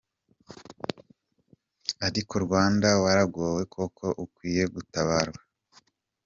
Ariko Rwanda waragowe koko; ukwiye gutabarwa.